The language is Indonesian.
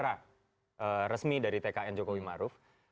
artinya tulisan saya memang suara resmi dari tkn jokowi maruf